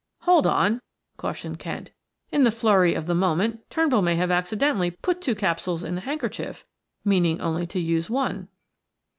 "Hold on," cautioned Kent. "In the flurry of the moment, Turnbull may have accidentally put two capsules in the handkerchief, meaning only to use one."